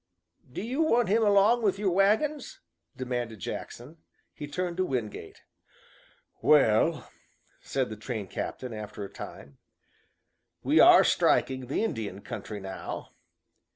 "Do you want him along with your wagons?" demanded Jackson. He turned to Wingate. "Well," said the train captain after a time, "we are striking the Indian country now."